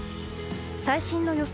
最新の予想